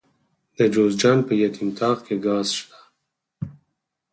د جوزجان په یتیم تاغ کې ګاز شته.